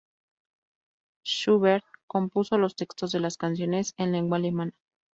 Schubert compuso los textos de las canciones en lengua alemana.